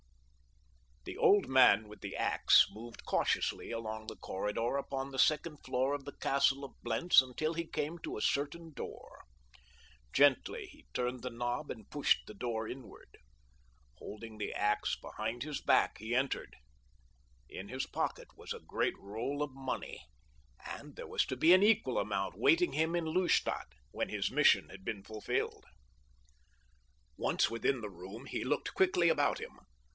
The old man with the ax moved cautiously along the corridor upon the second floor of the Castle of Blentz until he came to a certain door. Gently he turned the knob and pushed the door inward. Holding the ax behind his back, he entered. In his pocket was a great roll of money, and there was to be an equal amount waiting him at Lustadt when his mission had been fulfilled. Once within the room, he looked quickly about him.